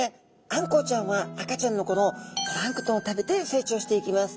あんこうちゃんは赤ちゃんのころプランクトンを食べて成長していきます。